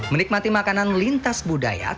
menikmati makanan lintas budaya